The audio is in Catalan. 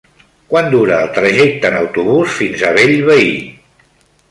Quant dura el trajecte en autobús fins a Bellvei?